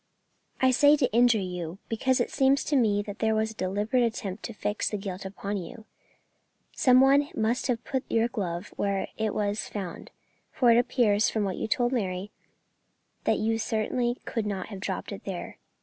"I say to injure you, because it seems to me that there was a deliberate attempt to fix the guilt upon you. Some one must have put your glove where it was found, for it appears, from what you told Mary, that you certainly could not have dropped it there."